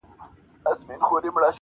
• بیا به نه کوم له سپي شکایتونه -